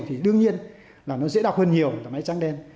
thì đương nhiên là nó dễ đọc hơn nhiều là máy trắng đen